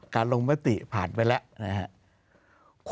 ลงมติผ่านไปแล้วนะครับ